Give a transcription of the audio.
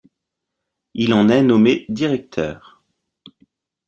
Il en est nommé directeur.